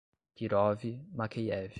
Kirov, Makeyev